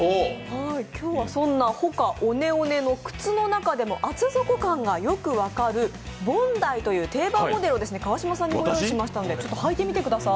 今日はＨＯＫＡＯＮＥＯＮＥの靴の中でも厚底感がよく分かるＢＯＮＤＡＩとい定番モデルを川島さんにご用意したので履いてみてください。